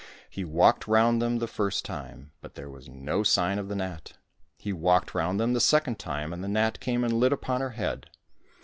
He walked round them the first time, but there was no sign of the gnat. He walked round them the second time, and the gnat came and lit upon her head.